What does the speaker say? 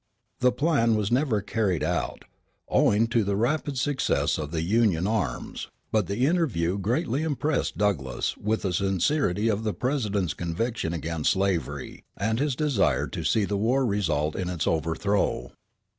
The plan was never carried out, owing to the rapid success of the Union arms; but the interview greatly impressed Douglass with the sincerity of the President's conviction against slavery and his desire to see the war result in its overthrow.